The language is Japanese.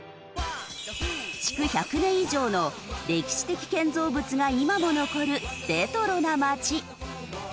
築１００年以上の歴史的建造物が今も残るレトロな街。